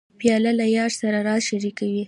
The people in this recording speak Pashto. پیاله له یار سره راز شریکوي.